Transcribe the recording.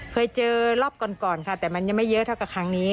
เคยเจอรอบก่อนค่ะแต่มันยังไม่เยอะเท่ากับครั้งนี้